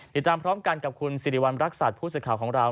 ติดตามพร้อมกันกับคุณสิริวัณรักษัตริย์ผู้สื่อข่าวของเรา